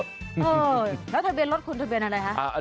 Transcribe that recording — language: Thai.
เออแล้วทะเบียนรถคุณทะเบียนอะไรคะ